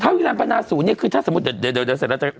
วิรันพนาศูนย์เนี่ยคือถ้าสมมุติเดี๋ยวเสร็จแล้วจะ